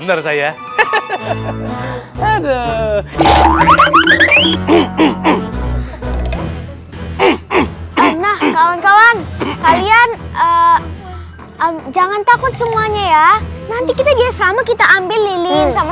nah kawan kawan kalian jangan takut semuanya ya nanti kita dia sama kita ambil lilin sama